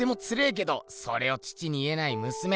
けどそれを父に言えないむすめ。